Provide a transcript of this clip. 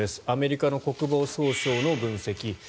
アメリカの国防総省の分析。